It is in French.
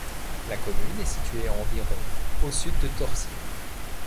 La commune est située à environ au sud de Torcy.